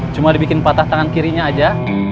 cuma dibikin patah tangan kirinya aja